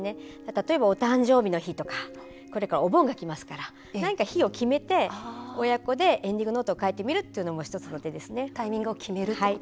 例えば、お誕生日の日とかこれからお盆がきますから何か日を決めて親子でエンディングノートを書いてみるっていうのも一つの手ですね。